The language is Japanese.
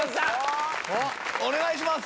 お願いします